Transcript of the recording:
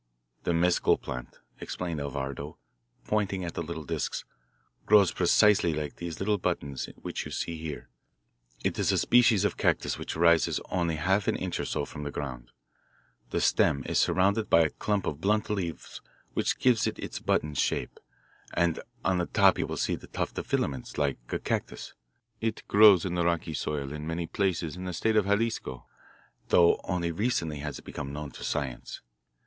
"The mescal plant," explained Alvardo, pointing at the little discs, "grows precisely like these little buttons which you see here. It is a species of cactus which rises only half an inch or so from the ground. The stem is surrounded by a clump of blunt leaves which give it its button shape, and on the top you will see still the tuft of filaments, like a cactus. It grows in the rocky soil in many places in the state of Jalisco, though only recently has it become known to science.